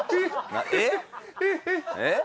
えっ？えっ？